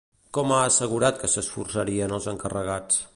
Com ha assegurat que s'esforçarien els encarregats?